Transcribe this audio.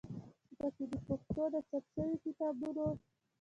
چې په کې د پښتو د چاپ شوي کتابونو